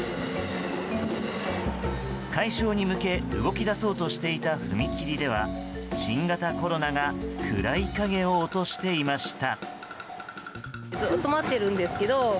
解消に向け動き出そうとしていた踏切では新型コロナが暗い影を落としていました。